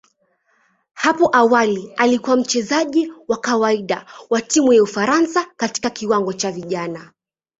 Hapo awali alikuwa mchezaji wa kawaida wa timu ya Ufaransa katika kiwango cha vijana.